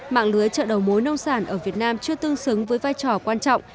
mạng lưới chợ đầu mối nông sản ở việt nam chưa tương xứng với vai trò quan trọng